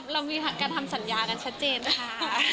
เรามีการทำสัญญากันชัดเจนนะคะ